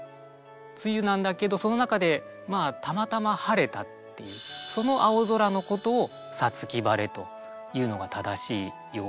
梅雨なんだけどその中でまあたまたま晴れたっていうその青空のことを五月晴れというのが正しい用法で。